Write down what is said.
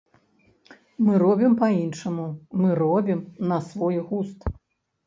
Мы робім па-іншаму, мы робім на свой густ.